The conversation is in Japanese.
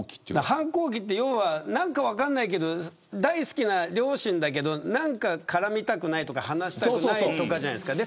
反抗期って何か分からないけど大好きな両親だけど話したくないとか絡みたくないとかじゃないですか。